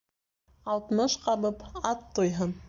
Алтмыш ҡабып ат туйһын.